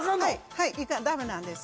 はいダメなんです